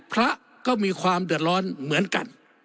พระก็มีความเดือดร้อนเหมือนกัน